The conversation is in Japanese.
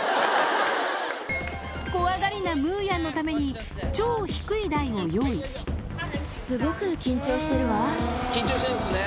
怖がりなムーヤンのために超低い台を用意緊張してるんですね。